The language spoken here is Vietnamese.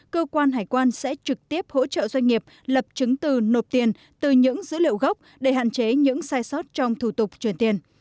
cơ quan hải quan sẽ trực tiếp hỗ trợ doanh nghiệp lập chứng từ nộp tiền từ những dữ liệu gốc để hạn chế những sai sót trong thủ tục chuyển tiền